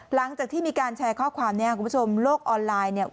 หลังจากที่มีการแชร์ข้อความนี้คุณผู้ชมโลกออนไลน์เนี่ย